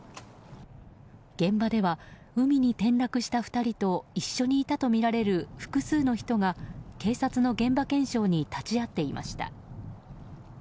現場では、海に転落した２人と一緒にいたとみられる複数の人が警察の現場検証に立ち会っていました。